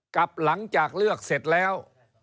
กับหลังจากเลือกเสร็จแล้ว